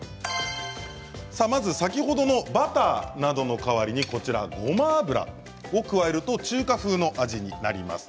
まず先ほどのバターなどの代わりにごま油、加えると中華風の味になります。